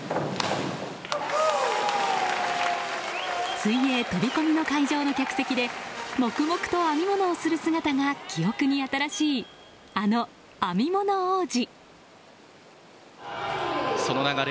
水泳飛込の会場の客席で黙々と編み物をする姿が記憶に新しいあの編み物王子。